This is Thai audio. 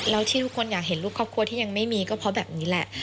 แล้วที่ทุกคนอยากเห็นรูปครอบครัวที่ยังไม่มีก็เพราะแบบนี้แหละ